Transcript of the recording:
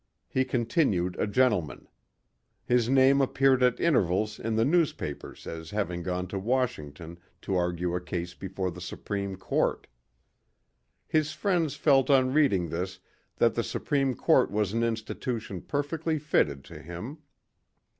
He continued a gentleman. His name appeared at intervals in the newspapers as having gone to Washington to argue a case before the Supreme Court. His friends felt on reading this that the Supreme Court was an institution perfectly fitted to him.